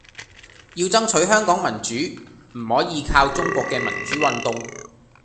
要爭取香港民主，唔可以靠中國嘅民主運動